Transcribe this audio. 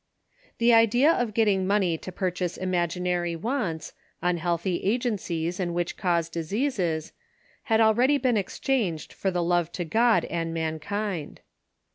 The idea of getting money to purchase imaginary wants, unhealthy agencies and which cause diseases, had already been exchanged for love to God and mankind.